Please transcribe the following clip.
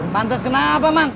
pantes kenapa man